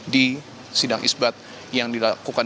di sidang isbat yang dilakukan